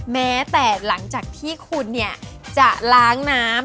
แม้แต่หลังจากที่คุณเนี่ยจะล้างน้ำ